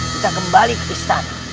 kita kembali ke istana